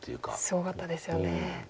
すごかったですよね。